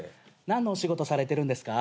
何のお仕事されてるんですか？